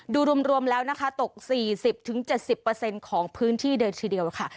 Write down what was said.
ดูรวมรวมแล้วนะคะตกสี่สิบถึงเจ็ดสิบเปอร์เซ็นต์ของพื้นที่เดียวทีเดียวค่ะ